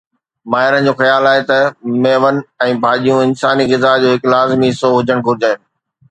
ماهرن جو خيال آهي ته ميون ۽ ڀاڄيون انساني غذا جو هڪ لازمي حصو هجڻ گهرجي